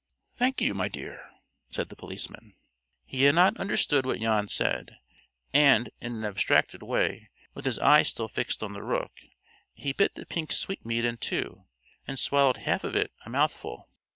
"Thank you, my dear," said the policeman. He had not understood what Jan said, and in an abstracted way, with his eyes still fixed on the rook, he bit the pink sweetmeat in two, and swallowed half of it at a mouthful.